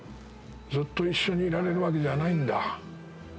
ずっと一緒にいられるわけじゃないんだ。